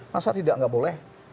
masa tidak tidak boleh